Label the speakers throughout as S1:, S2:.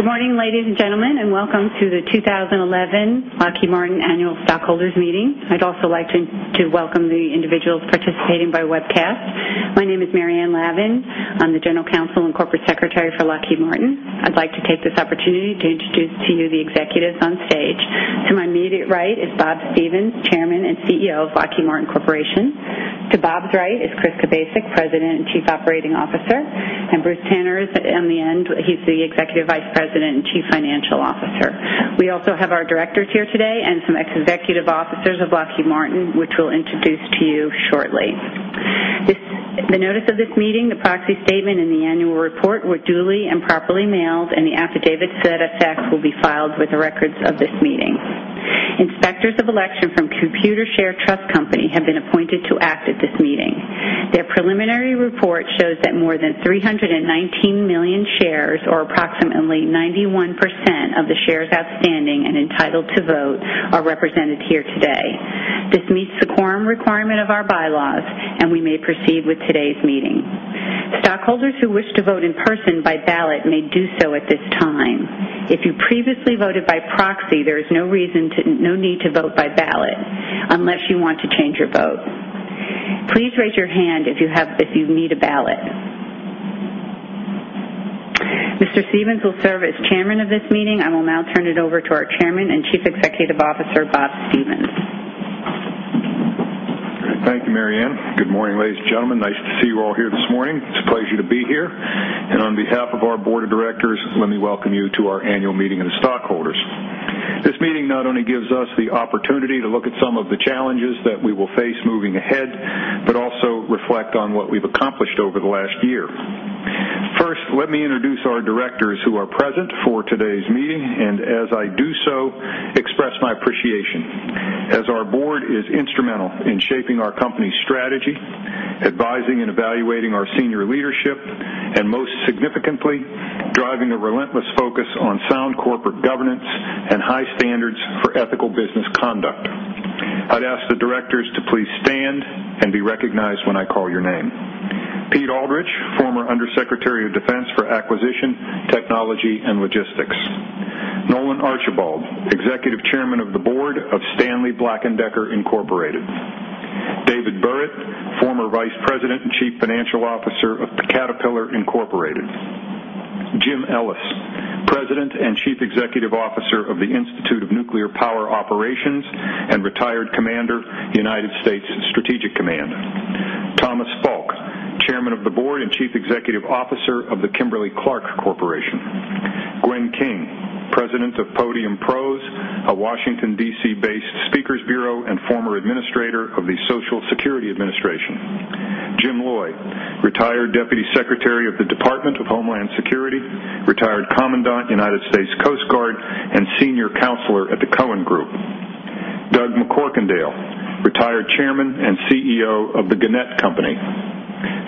S1: Good morning, ladies and gentlemen, and welcome to the 2011 Lockheed Martin Annual Stockholders Meeting. I'd also like to welcome the individuals participating by webcast. My name is Maryanne Lavan. I'm the General Counsel and Corporate Secretary for Lockheed Martin. I'd like to take this opportunity to introduce to you the executives on stage. To my immediate right is Bob Stevens, Chairman and CEO of Lockheed Martin Corporation. To Bob's right is Chris Kubasik, President and Chief Operating Officer. Bruce Tanner is at the end. He's the Executive Vice President and Chief Financial Officer. We also have our directors here today and some executive officers of Lockheed Martin, which we'll introduce to you shortly. The notice of this meeting, the proxy statement, and the annual report were duly and properly mailed, and the affidavits to that effect will be filed with the records of this meeting. Inspectors of Election from Computershare Trust Company have been appointed to act at this meeting. Their preliminary report shows that more than $319 million shares, or approximately 91% of the shares outstanding and entitled to vote, are represented here today. This meets the quorum requirement of our bylaws, and we may proceed with today's meeting. Stockholders who wish to vote in person by ballot may do so at this time. If you previously voted by proxy, there is no need to vote by ballot unless you want to change your vote. Please raise your hand if you need a ballot. Mr. Stevens will serve as Chairman of this meeting. I will now turn it over to our Chairman and Chief Executive Officer, Bob Stevens.
S2: Thank you, Maryanne. Good morning, ladies and gentlemen. Nice to see you all here this morning. It's a pleasure to be here. On behalf of our Board of Directors, let me welcome you to our annual meeting of the stockholders. This meeting not only gives us the opportunity to look at some of the challenges that we will face moving ahead, but also reflect on what we've accomplished over the last year. First, let me introduce our directors who are present for today's meeting, and as I do so, express my appreciation. As our Board is instrumental in shaping our company's strategy, advising and evaluating our senior leadership, and most significantly, driving a relentless focus on sound corporate governance and high standards for ethical business conduct, I'd ask the directors to please stand and be recognized when I call your name. Pete Aldridge, former Under Secretary of Defense for Acquisition, Technology, and Logistics. Nolan Archibald, Executive Chairman of the Board of Stanley Black & Decker Incorporated. David Burritt, former Vice President and Chief Financial Officer of Caterpillar Incorporated. Jim Ellis, President and Chief Executive Officer of the Institute of Nuclear Power Operations and retired Commander of the United States Strategic Command. Thomas Falk, Chairman of the Board and Chief Executive Officer of Kimberly-Clark Corporation. Gwen King, President of Podium Pros, a Washington, D.C.-based speakers' bureau and former Administrator of the Social Security Administration. Jim Loy, retired Deputy Secretary of the Department of Homeland Security, retired Commandant, United States Coast Guard, and Senior Counselor at the Cohen Group. Doug McCorkindale, retired Chairman and CEO of the Gannett Company.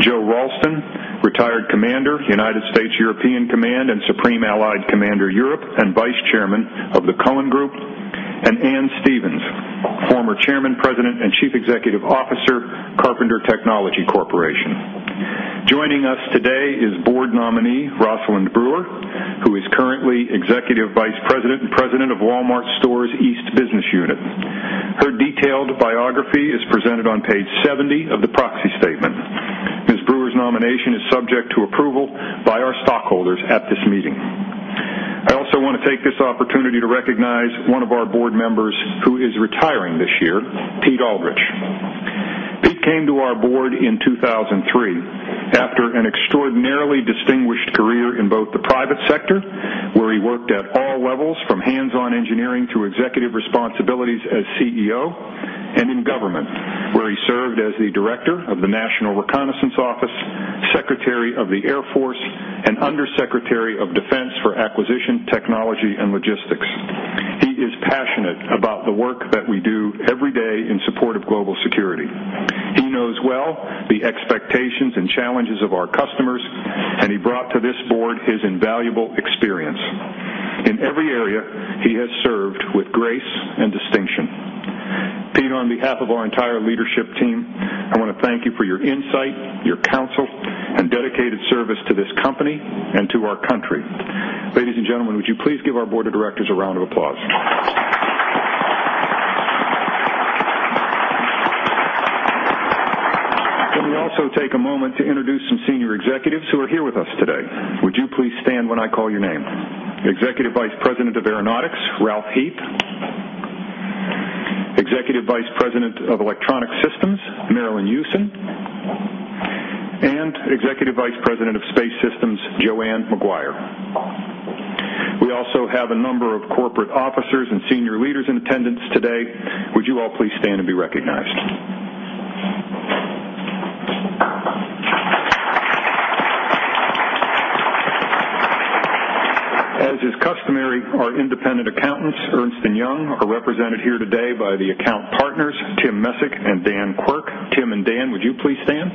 S2: Joe Ralston, retired Commander, United States European Command and Supreme Allied Commander Europe, and Vice Chairman of the Cohen Group. Ann Stevens, former Chairman, President, and Chief Executive Officer, Carpenter Technology Corporation. Joining us today is Board nominee Rosalind Brewer, who is currently Executive Vice President and President of Walmart Stores East Business Unit. Her detailed biography is presented on page 70 of the proxy statement. Ms. Brewer's nomination is subject to approval by our stockholders at this meeting. I also want to take this opportunity to recognize one of our board members who is retiring this year, Pete Aldridgeldrich. Pete came to our board in 2003 after an extraordinarily distinguished career in both the private sector, where he worked at all levels, from hands-on engineering to executive responsibilities as CEO, and in government, where he served as the Director of the National Reconnaissance Office, Secretary of the Air Force, and Under Secretary of Defense for Acquisition, Technology, and Logistics. He is passionate about the work that we do every day in support of global security. He knows well the expectations and challenges of our customers, and he brought to this board his invaluable experience. In every area, he has served with grace and distinction. Pete, on behalf of our entire leadership team, I want to thank you for your insight, your counsel, and dedicated service to this company and to our country. Ladies and gentlemen, would you please give our Board of Directors a round of applause? I'm going to also take a moment to introduce some senior executives who are here with us today. Would you please stand when I call your name? Executive Vice President of Aeronautics, Ralph Heath. Executive Vice President of Electronic Systems, Marillyn Hewson. Executive Vice President of Space Systems, Joanne Maguire. We also have a number of corporate officers and senior leaders in attendance today. Would you all please stand and be recognized? As is customary, our independent accountants, Ernst & Young, represented here today by the account partners, Tim Messick and Dan Quirk. Tim and Dan, would you please stand?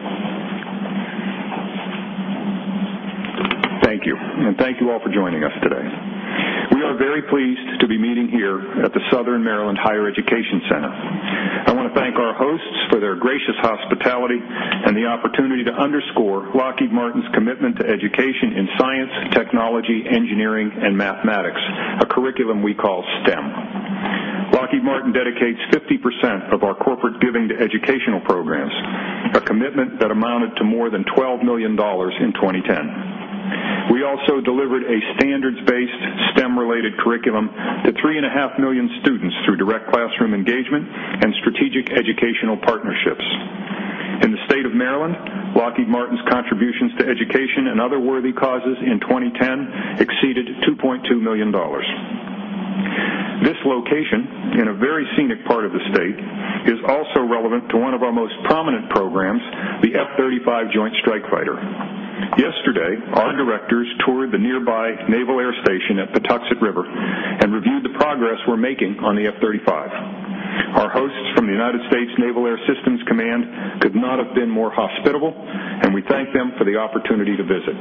S2: Thank you. Thank you all for joining us today. We are very pleased to be meeting here at the Southern Maryland Higher Education Center. I want to thank our hosts for their gracious hospitality and the opportunity to underscore Lockheed Martin's commitment to education in Science, Technology, Engineering, and Mathematics, a curriculum we call STEM. Lockheed Martin dedicates 50% of our corporate giving to educational programs, a commitment that amounted to more than $12 million in 2010. We also delivered a standards-based STEM-related curriculum to 3.5 million students through direct classroom engagement and strategic educational partnerships. In the State of Maryland, Lockheed Martin's contributions to education and other worthy causes in 2010 exceeded $2.2 million. This location, in a very scenic part of the state, is also relevant to one of our most prominent programs, the F-35 Joint Strike Fighter. Yesterday, our directors toured the nearby Naval Air Station at the Patuxent River and reviewed the progress we're making on the F-35. Our hosts from the United States Naval Air Systems Command could not have been more hospitable, and we thank them for the opportunity to visit.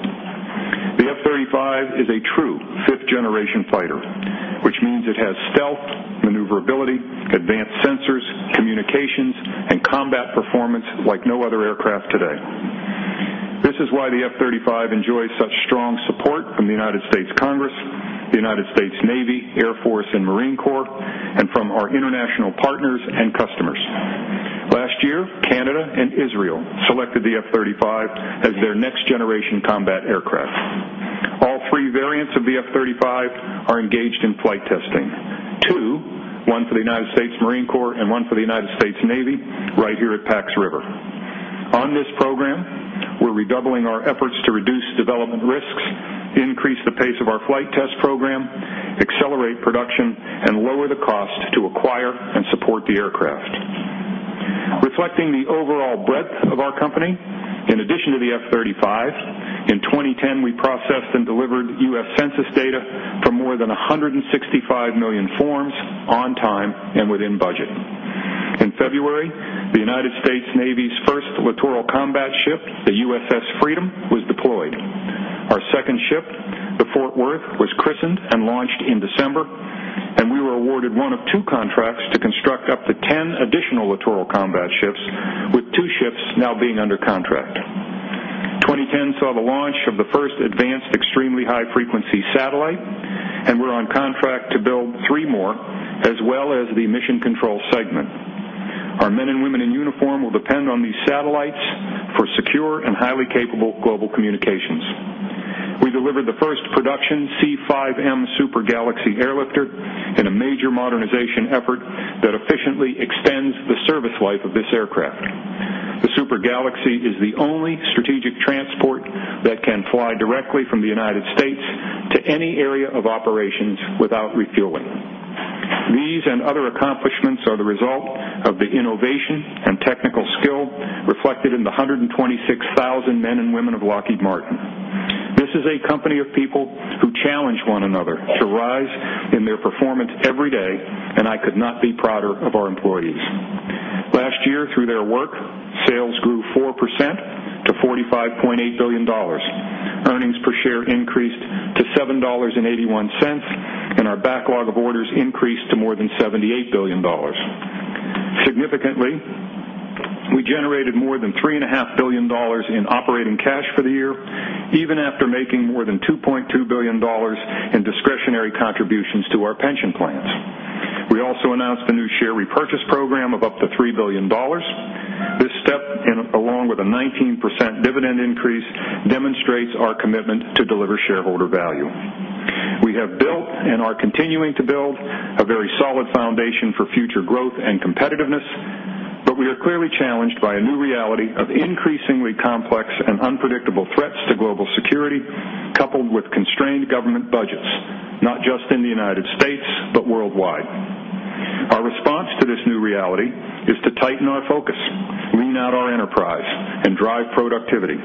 S2: The F-35 is a true 5th-generation fighter, which means it has stealth, maneuverability, advanced sensors, communications, and combat performance like no other aircraft today. This is why the F-35 enjoys such strong support from the United States Congress, the United States Navy, Air Force, and Marine Corps, and from our international partners and customers. Last year, Canada and Israel selected the F-35 as their next-generation combat aircraft. All three variants of the F-35 are engaged in flight testing: two, one for the United States Marine Corps and one for the United States Navy, right here at Pax River. On this program, we're redoubling our efforts to reduce development risks, increase the pace of our flight test program, accelerate production, and lower the costs to acquire and support the aircraft. Reflecting the overall breadth of our company, in addition to the F-35, in 2010, we processed and delivered U.S. Census data from more than 165 million forms on time and within budget. In February, the United States Navy's first Littoral Combat Ship, the USS Freedom, was deployed. Our second ship, the Fort Worth, was christened and launched in December, and we were awarded one of two contracts to construct up to 10 additional Littoral Combat Ships, with two ships now being under contract. 2010 saw the launch of the first Advanced Extremely High Frequency satellite, and we're on contract to build three more, as well as the mission control segment. Our men and women in uniform will depend on these satellites for secure and highly capable global communications. We delivered the first production C-5M Super Galaxy airlifter in a major modernization effort that efficiently extends the service life of this aircraft. The Super Galaxy is the only strategic transport that can fly directly from the United States to any area of operations without refueling. These and other accomplishments are the result of the innovation and technical skill reflected in the 126,000 men and women of Lockheed Martin. This is a company of people who challenge one another to rise in their performance every day, and I could not be prouder of our employees. Last year, through their work, sales grew 4% to $45.8 billion. Earnings per share increased to $7.81, and our backlog of orders increased to more than $78 billion. Significantly, we generated more than $3.5 billion in operating cash for the year, even after making more than $2.2 billion in discretionary contributions to our pension plans. We also announced the new share repurchase program of up to $3 billion. This step, along with a 19% dividend increase, demonstrates our commitment to deliver shareholder value. We have built and are continuing to build a very solid foundation for future growth and competitiveness. We are clearly challenged by a new reality of increasingly complex and unpredictable threats to global security, coupled with constrained government budgets, not just in the United States, but worldwide. Our response to this new reality is to tighten our focus, lean out our enterprise, and drive productivity.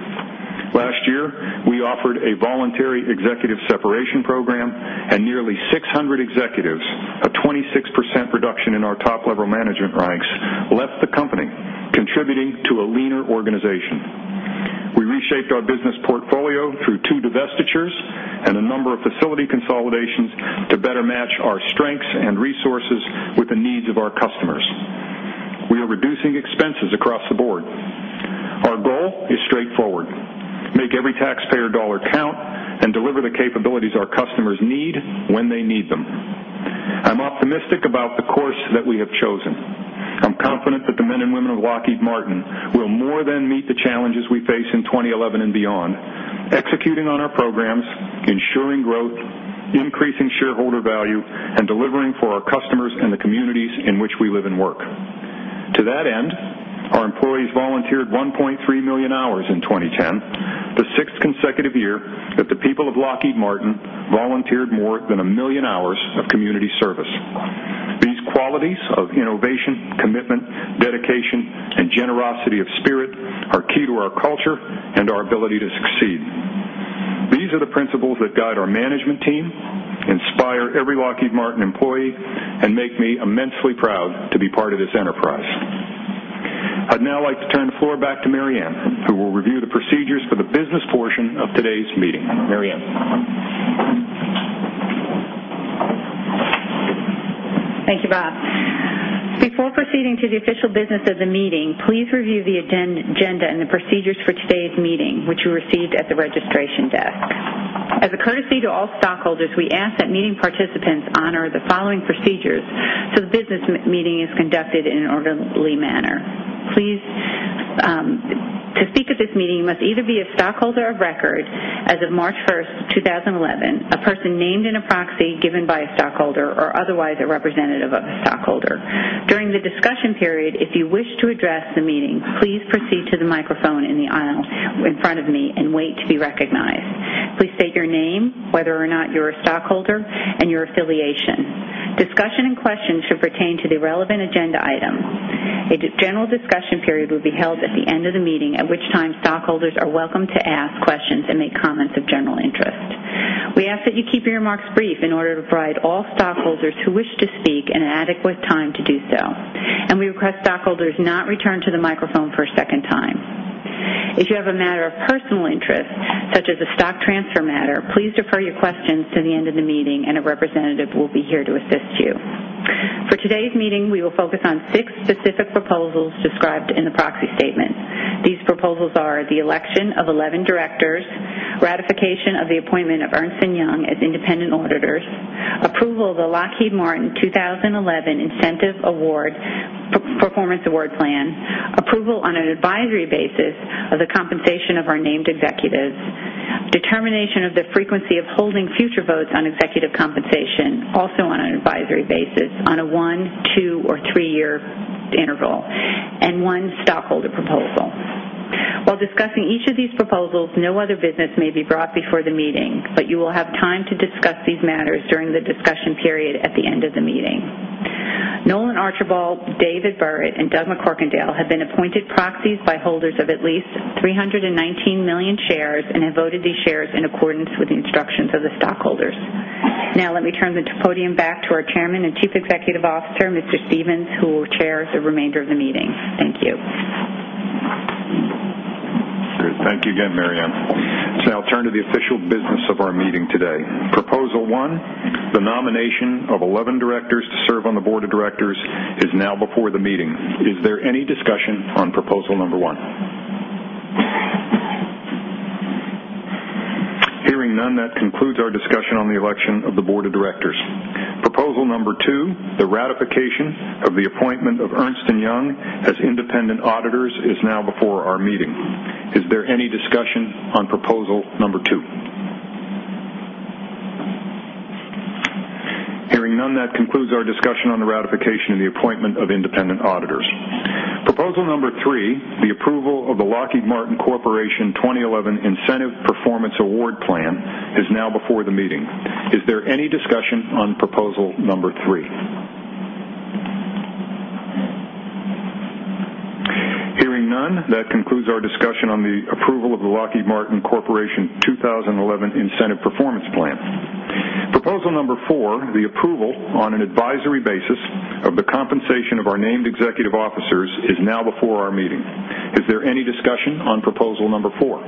S2: Last year, we offered a voluntary executive separation program, and nearly 600 executives, a 26% reduction in our top-level management ranks, left the company, contributing to a leaner organization. We reshaped our business portfolio through two divestitures and a number of facility consolidations to better match our strengths and resources with the needs of our customers. We are reducing expenses across the board. Our goal is straightforward: make every taxpayer dollar count and deliver the capabilities our customers need when they need them. I'm optimistic about the course that we have chosen. I'm confident that the men and women of Lockheed Martin will more than meet the challenges we face in 2011 and beyond, executing on our programs, ensuring growth, increasing shareholder value, and delivering for our customers and the communities in which we live and work. To that end, our employees volunteered 1.3 million hours in 2010, the sixth consecutive year that the people of Lockheed Martin volunteered more than a million hours of community service. These qualities of innovation, commitment, dedication, and generosity of spirit are key to our culture and our ability to succeed. These are the principles that guide our management team, inspire every Lockheed Martin employee, and make me immensely proud to be part of this enterprise. I'd now like to turn the floor back to Maryanne, who will review the procedures for the business portion of today's meeting.
S1: Thank you, Bob. Before proceeding to the official business of the meeting, please review the agenda and the procedures for today's meeting, which you received at the registration desk. As a courtesy to all stockholders, we ask that meeting participants honor the following procedures so the business meeting is conducted in an orderly manner. To speak at this meeting, you must either be a stockholder of record as of March 1st, 2011, a person named in a proxy given by a stockholder, or otherwise a representative of a stockholder. During the discussion period, if you wish to address the meeting, please proceed to the microphone in the aisle in front of me and wait to be recognized. Please state your name, whether or not you're a stockholder, and your affiliation. Discussion and questions should pertain to the relevant agenda item. A general discussion period will be held at the end of the meeting, at which time stockholders are welcome to ask questions and make comments of general interest. We ask that you keep your remarks brief in order to provide all stockholders who wish to speak an adequate time to do so. We request stockholders not return to the microphone for a second time. If you have a matter of personal interest, such as a stock transfer matter, please defer your questions to the end of the meeting, and a representative will be here to assist you. For today's meeting, we will focus on six specific proposals described in the proxy statement. These proposals are the election of 11 directors, ratification of the appointment of Ernst & Young as independent auditors, approval of the Lockheed Martin 2011 Incentive Award Performance Award Plan, approval on an advisory basis of the compensation of our named executives, determination of the frequency of holding future votes on executive compensation, also on an advisory basis, on a one, two, or three-year interval, and one stockholder proposal. While discussing each of these proposals, no other business may be brought before the meeting, but you will have time to discuss these matters during the discussion period at the end of the meeting. Nolan Archibald, David Burrett, and Doug McCorquodale have been appointed proxies by holders of at least 319 million shares and have voted these shares in accordance with the instructions of the stockholders. Now, let me turn the podium back to our Chairman and Chief Executive Officer, Mr. Stevens, who will chair the remainder of the meeting. Thank you.
S2: Thank you again, Maryanne. I'll turn to the official business of our meeting today. Proposal one, the nomination of 11 directors to serve on the Board of Directors, is now before the meeting. Is there any discussion on proposal number one? Hearing none, that concludes our discussion on the election of the Board of Directors. Proposal number two, the ratification of the appointment of Ernst & Young as independent auditors, is now before our meeting. Is there any discussion on proposal number two? Hearing none, that concludes our discussion on the ratification of the appointment of independent auditors. Proposal number three, the approval of the Lockheed Martin Corporation 2011 Incentive Performance Award Plan, is now before the meeting. Is there any discussion on proposal number three? Hearing none, that concludes our discussion on the approval of the Lockheed Martin Corporation 2011 Incentive Performance Plan. Proposal number four, the approval on an advisory basis of the compensation of our named executive officers, is now before our meeting. Is there any discussion on proposal number four?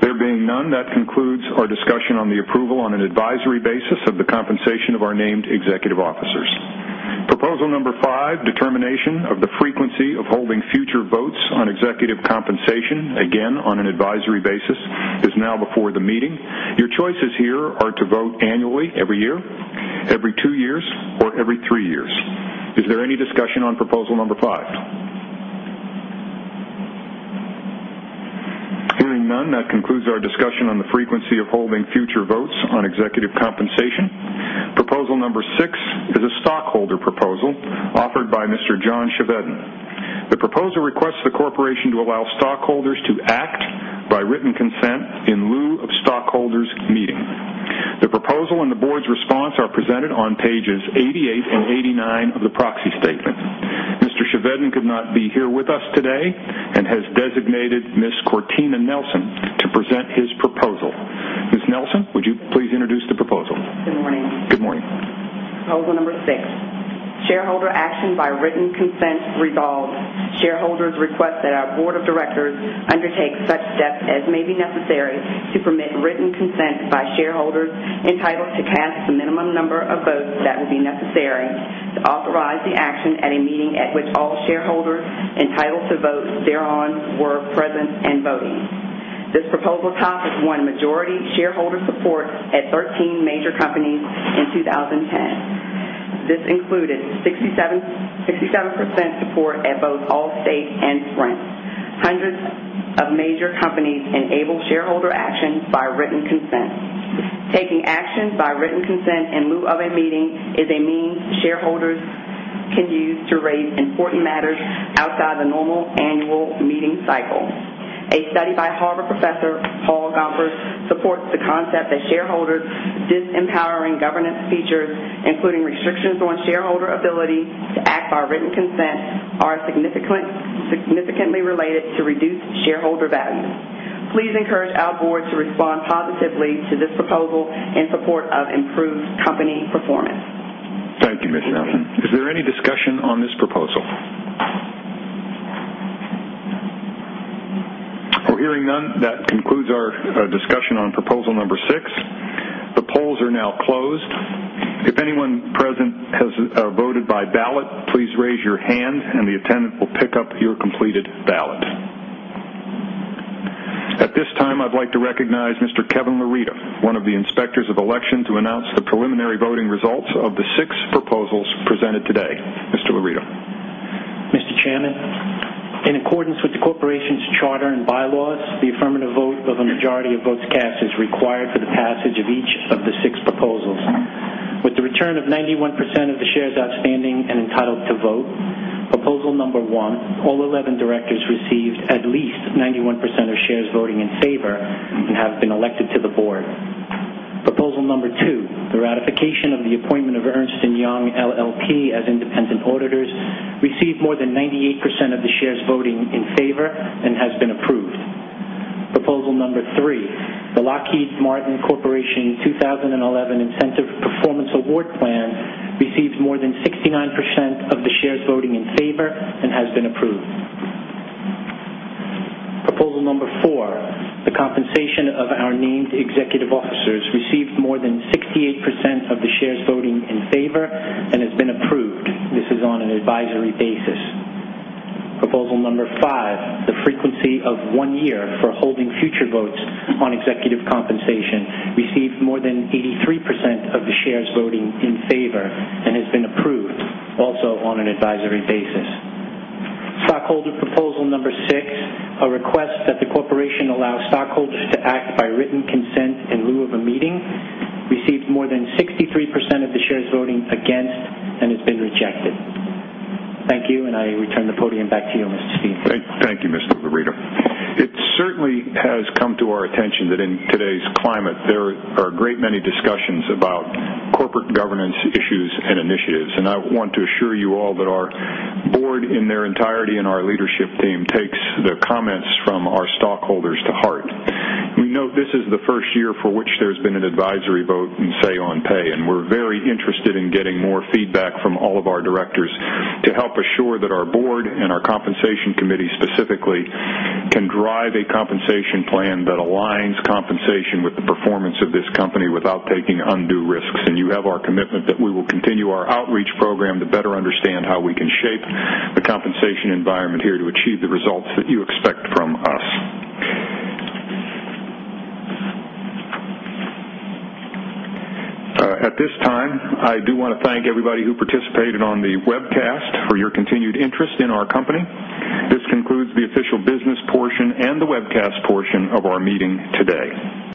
S2: There being none, that concludes our discussion on the approval on an advisory basis of the compensation of our named executive officers. Proposal number five, determination of the frequency of holding future votes on executive compensation, again on an advisory basis, is now before the meeting. Your choices here are to vote annually, every year, every two years, or every three years. Is there any discussion on proposal number five? Hearing none, that concludes our discussion on the frequency of holding future votes on executive compensation. Proposal number six is a stockholder proposal offered by Mr. John Scherff. The proposal requests the corporation to allow stockholders to act by written consent in lieu of stockholders' meeting. The proposal and the board's response are presented on pages 88 and 89 of the proxy statement. Mr. Scherff could not be here with us today and has designated Ms. Cortina Nelson to present his proposal. Ms. Nelson, would you please introduce the proposal?
S3: Good morning.
S2: Good morning.
S3: Proposal number six, shareholder action by written consent resolves. Shareholders request that our Board of Directors undertake such steps as may be necessary to permit written consent by shareholders entitled to cast the minimum number of votes that would be necessary to authorize the action at a meeting at which all shareholders entitled to vote thereon were present and voting. This proposal topped with one majority shareholder support at 13 major companies in 2010. This included 67% support at both Allstate and Sprint. Hundreds of major companies enabled shareholder action by written consent. Taking action by written consent in lieu of a meeting is a means shareholders can use to raise important matters outside the normal annual meeting cycle. A study by Harvard Professor Paul Gomers supports the concept that shareholders' disempowering governance features, including restrictions on shareholder ability to act by written consent, are significantly related to reduced shareholder value. Please encourage our board to respond positively to this proposal in support of improved company performance.
S2: Thank you, Ms. Nelson. Is there any discussion on this proposal? Hearing none, that concludes our discussion on proposal number six. The polls are now closed. If anyone present has voted by ballot, please raise your hand, and the attendants will pick up your completed ballot. At this time, I'd like to recognize Mr. Kevin Laurita, one of the Inspectors of Election, to announce the preliminary voting results of the six proposals presented today. Mr. Laurita.
S4: Mr. Chairman, in accordance with the corporation's charter and bylaws, the affirmative vote of a majority of votes cast is required for the passage of each of the six proposals. With the return of 91% of the shares outstanding and entitled to vote, proposal number one, all 11 directors received at least 91% of shares voting in favor and have been elected to the board. Proposal number two, the ratification of the appointment of Ernst & Young LLP as independent auditors, received more than 98% of the shares voting in favor and has been approved. Proposal number three, the Lockheed Martin Corporation 2011 Incentive Performance Award Plan, receives more than 69% of the shares voting in favor and has been approved. Proposal number four, the compensation of our named executive officers, received more than 68% of the shares voting in favor and has been approved. This is on an advisory basis. Proposal number five, the frequency of one year for holding future votes on executive compensation, received more than 83% of the shares voting in favor and has been approved, also on an advisory basis. Stockholder proposal number six, a request that the corporation allow stockholders to act by written consent in lieu of a meeting, received more than 63% of the shares voting against and has been rejected. Thank you, and I return the podium back to you, Mr. Stevens.
S2: Thank you, Mr. Laurita. It certainly has come to our attention that in today's climate, there are a great many discussions about corporate governance issues and initiatives. I want to assure you all that our board in their entirety and our leadership team takes the comments from our stockholders to heart. We know this is the first year for which there's been an advisory vote and say on pay, and we're very interested in getting more feedback from all of our directors to help assure that our board and our compensation committee specifically can drive a compensation plan that aligns compensation with the performance of this company without taking undue risks. You have our commitment that we will continue our outreach program to better understand how we can shape the compensation environment here to achieve the results that you expect from us. At this time, I do want to thank everybody who participated on the webcast for your continued interest in our company. This concludes the official business portion and the webcast portion of our meeting today.